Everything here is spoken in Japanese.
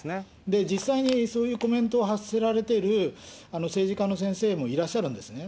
実際にそういうコメントを発せられている政治家の先生もいらっしゃるんですね。